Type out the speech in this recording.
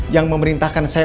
yang memerintahkan saya